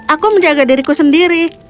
aku menjaga diriku sendiri